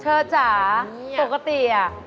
เธอจ๋าปกติน่ะ